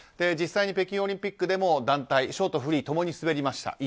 実際に北京オリンピックでも団体、ショート、フリー滑りました。